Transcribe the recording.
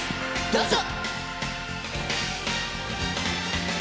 どうぞ。